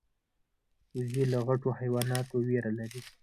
وزې له غټو حیواناتو ویره لري